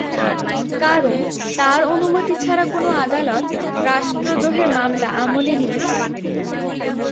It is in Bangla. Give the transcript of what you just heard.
কারণ, তার অনুমতি ছাড়া কোনো আদালত রাষ্ট্রদ্রোহের মামলা আমলে নিতে পারবেন না।